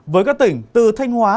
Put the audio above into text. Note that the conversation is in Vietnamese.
với các tỉnh từ thanh hóa